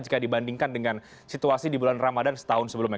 jika dibandingkan dengan situasi di bulan ramadan setahun sebelumnya